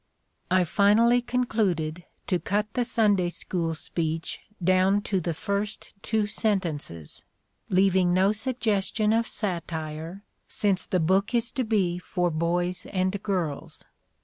"I finally concluded to cut the Sunday School speech down to the first two sentences, leaving no suggestion of satire, since the book is to be for boys and girls."